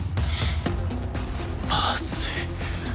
まずい。